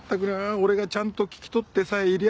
俺がちゃんと聞き取ってさえいりゃあ